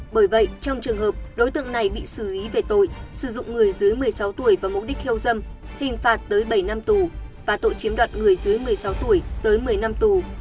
bởi vậy trong trường hợp đối tượng này bị xử lý về tội sử dụng người dưới một mươi sáu tuổi vào mục đích khiêu dâm hình phạt tới bảy năm tù và tội chiếm đoạt người dưới một mươi sáu tuổi tới một mươi năm tù